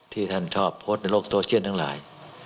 ที่ท่านชอบโพสต์ในโลกโซเชียลทั้งหลาย